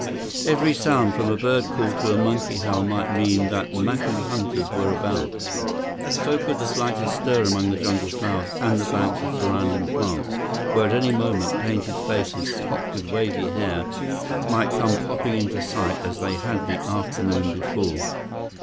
Every sound, from a bird call to a monkey howl might mean that Macu hunters were about. So could the slightest stir among the jungle flowers and the banks of surrounding plants, where at any moment, painted faces topped with wavy hair might come popping into sight as they had the afternoon before.